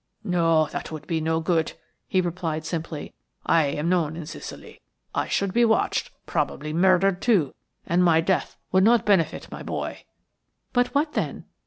"No, that would be no good," he replied simply. "I am known in Sicily. I should be watched, probably murdered, too, and my death would not benefit my boy." "But what then?"